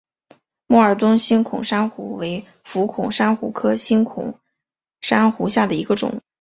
默尔敦星孔珊瑚为轴孔珊瑚科星孔珊瑚下的一个种。